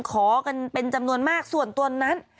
ขอกันเป็นจำนวนมากส่วนตัวนั้น